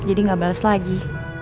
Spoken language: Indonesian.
jadi gak bales lagi